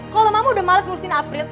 kalau mama udah males ngurusin april